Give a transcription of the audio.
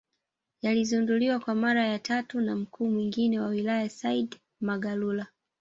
Yalizinduliwa kwa mara ya tatu na mkuu mwingine wa wilaya Said Magalula